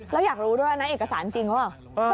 แล้วอยากรู้ด้วยนะเอกสารจริงหรือเปล่า